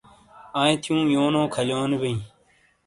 آئیں تھیوں یونو کھالیونو بئے